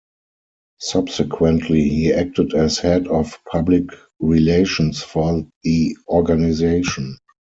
Subsequently, he acted as head of Public relations for the organization.